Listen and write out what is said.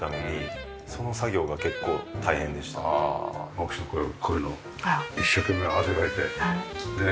奥さんこれこういうの一生懸命汗かいてねえ